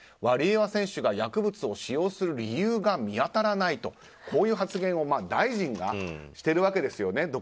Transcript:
ワリエワ選手が薬物を使用する理由が見当たらないとこういう発言を大臣がしているわけですよね。